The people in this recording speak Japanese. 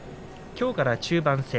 きょうから中盤戦。